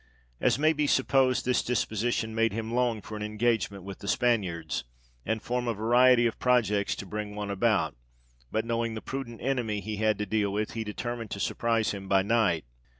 As may be supposed this disposition made him long for an engage ment with the Spaniards, and form a variety of projects to bring one about, but knowing the prudent enemy he had to deal with, he determined to surprise him by night.